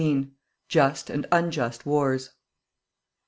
JUST AND UNJUST WARS.